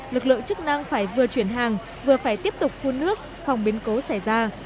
lực lượng chức năng phải vừa chuyển hàng vừa phải tiếp tục phun nước phòng biến cố xảy ra